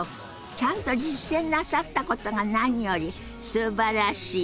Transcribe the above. ちゃんと実践なさったことが何よりすばらしい！